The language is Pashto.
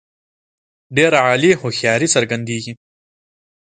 ډېره عالي هوښیاري څرګندیږي.